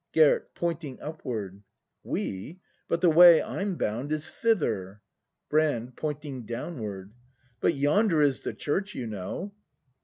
Gerd. [Pointing upward.] We ? But the way I'm bound is thither. Brand. [Pointing downward.] But yonder is the church, you know!